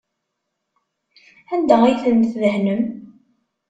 Anda ay ten-tdehnem?